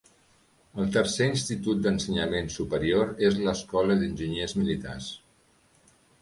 El tercer institut d'ensenyament superior és l'Escola d'Enginyers Militars.